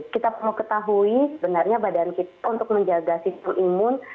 kita perlu ketahui sebenarnya badan kita untuk menjaga sistem imun